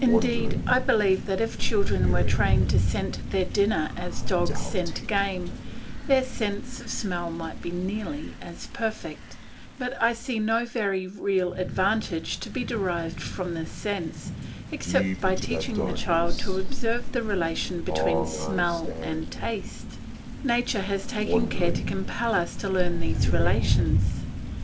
Indeed I believe that if children were trained to scent their dinner as a dog scents game, their sense of smell might be nearly as perfect; but I see no very real advantage to be derived from this sense, except by teaching the child to observe the relation between smell and taste. Nature has taken care to compel us to learn these relations.